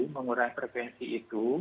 mengurangi frekuensi itu